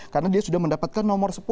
karena dia sudah mendapatkan nomor sepuluh